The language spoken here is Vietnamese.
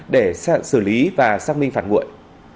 để xử lý và xác minh phản nguội